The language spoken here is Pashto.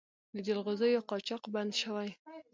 د جلغوزیو قاچاق بند شوی؟